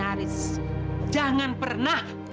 haris jangan pernah